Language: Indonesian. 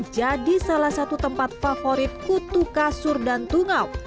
jadi salah satu tempat favorit kutu kasur dan tungau